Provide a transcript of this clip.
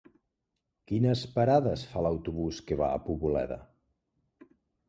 Quines parades fa l'autobús que va a Poboleda?